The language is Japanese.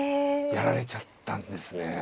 やられちゃったんですね。